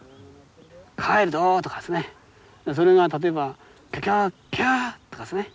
「帰るぞ！」とかですねそれが例えば「キャキャッキャッ！」とかですね。